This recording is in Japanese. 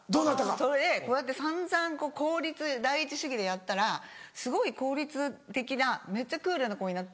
それでこうやって散々効率第一主義でやったらすごい効率的なめっちゃクールな子になって。